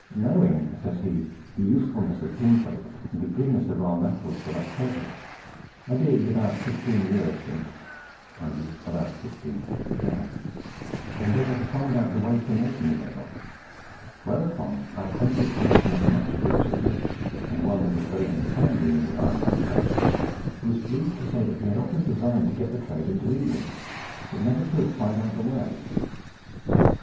"Knowing," says he, "the usefulness of tin plates and the goodness of our metals for that purpose, I did, about sixteen years since (i.e. about 1665), endeavour to find out the way for making thereof; whereupon I acquainted a person of much riches, and one that was very understanding in the iron manufacture, who was pleased to say that he had often designed to get the trade into England, but never could find out the way.